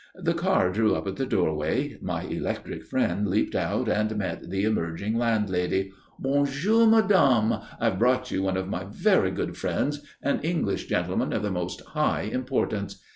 The car drew up at the doorway. My electric friend leaped out and met the emerging landlady. "Bonjour, madame. I've brought you one of my very good friends, an English gentleman of the most high importance.